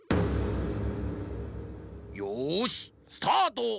よしスタート！